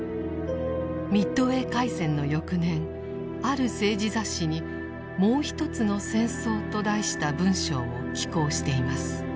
ミッドウェー海戦の翌年ある政治雑誌に「もうひとつの戦争」と題した文章を寄稿しています。